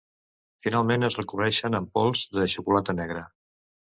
Finalment es recobreixen amb pols de xocolata negra.